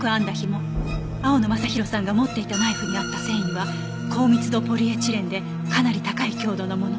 青野昌弘さんが持っていたナイフにあった繊維は高密度ポリエチレンでかなり高い強度のもの。